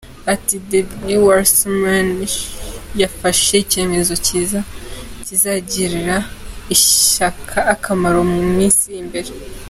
Ati “Debbie Wasserman Schultz yafashe icyemezo kiza kizagirira ishyaka akamaro mu minsi iri imbere.